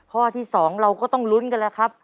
ข้อที่๒เราก็ต้องลุ้นกันแล้วครับ